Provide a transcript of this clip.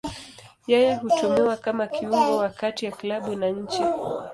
Yeye hutumiwa kama kiungo wa kati ya klabu na nchi.